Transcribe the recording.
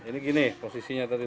ini gini posisinya tadi